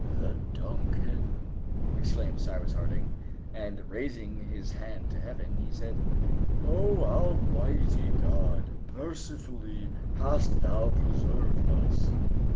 "The 'Duncan'!" exclaimed Cyrus Harding. And raising his hand to Heaven, he said, "Oh! Almighty God! mercifully hast Thou preserved us!"